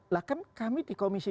lah kan kami di komisi